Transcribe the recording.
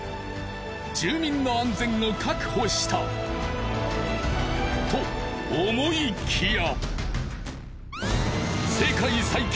住民の安全を確保した。と思いきや。